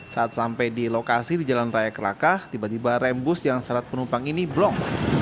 saat sampai di lokasi di jalan raya kelakah tiba tiba rem bus yang syarat penumpang ini blong